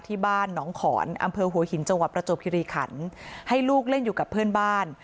ที่บ้านหนองขอนอำเภอหัวหินจังหวัดประจวบคิริขันให้ลูกเล่นอยู่กับเพื่อนบ้าน